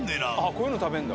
こういうの食べるんだ。